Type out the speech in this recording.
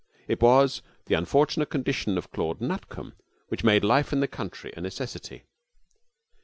It was the unfortunate condition of Claude Nutcombe which made life in the country a necessity.